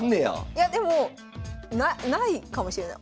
いやでもなないかもしれない。